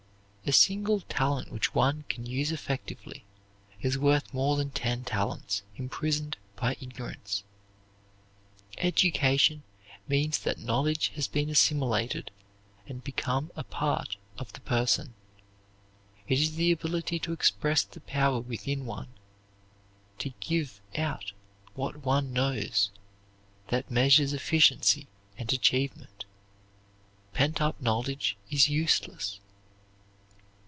A single talent which one can use effectively is worth more than ten talents imprisoned by ignorance. Education means that knowledge has been assimilated and become a part of the person. It is the ability to express the power within one, to give out what one knows, that measures efficiency and achievement. Pent up knowledge is useless.